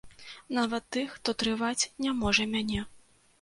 Нават тых, хто трываць не можа мяне.